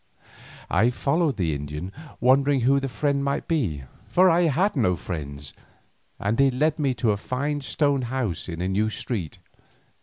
I followed the Indian, wondering who the friend might be, for I had no friends, and he led me to a fine stone house in a new street.